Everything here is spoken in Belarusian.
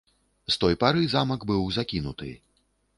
З той пары замак быў закінуты.